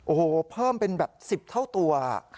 โอ้โหเพิ่มเป็นแบบ๑๐เท่าตัว